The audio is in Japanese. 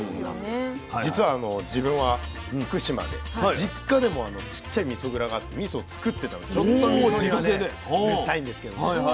実は自分は福島で実家でもちっちゃいみそ蔵があってみそつくってたのでちょっとみそにはねうるさいんですけどね。